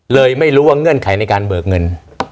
เลยไม่รู้ว่าเงื่อนไขในการเบิกเงิน